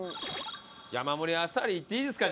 山盛りあさりいっていいですか？